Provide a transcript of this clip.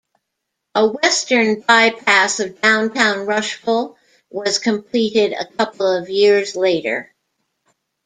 A western by-pass of downtown Rushville was completed a couple of years later.